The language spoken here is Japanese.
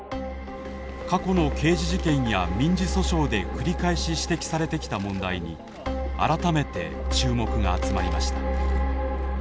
過去の刑事事件や民事訴訟で繰り返し指摘されてきた問題に改めて注目が集まりました。